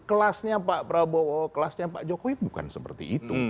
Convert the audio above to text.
kelasnya pak prabowo kelasnya pak jokowi bukan seperti itu